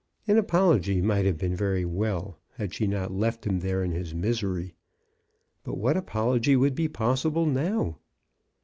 An apology might have been very well had she not left him there in his misery; but what apology would be possible now?